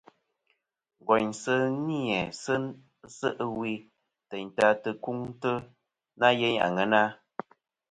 Ngòynsɨ ni-æ se' ɨwe tèyn tɨ ka tɨkuŋtɨ na yeyn àŋena.